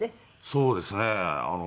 そうですね。